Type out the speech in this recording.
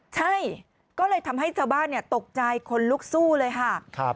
ใช่ก็เลยทำให้ชาวบ้านตกใจคนลุกสู้เลยค่ะ